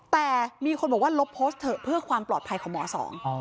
แต่มีคนบอกว่าลบโพสต์เถอะเพื่อความปลอดภัยของหมอสอง